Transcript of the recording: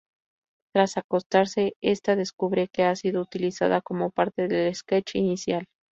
Tras acostarse, esta descubre que ha sido utilizada como parte del sketch inicial.